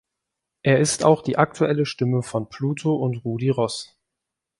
Er ist auch die aktuelle Stimme von Pluto und Rudi Ross.